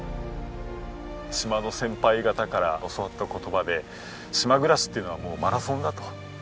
島の先輩方から教わった言葉で島暮らしっていうのはもうマラソンだと。